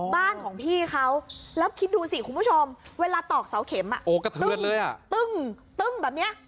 บ้านของพี่เขาแล้วคิดดูสิคุณผู้ชมเวลาตอกเสาเข็มอ่าตึงตึงแบบนี้